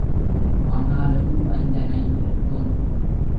ஆனாலும் வஞ்சனை இருக்கும்.